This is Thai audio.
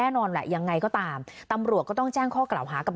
แน่นอนแหละยังไงก็ตามตำรวจก็ต้องแจ้งข้อกล่าวหากับ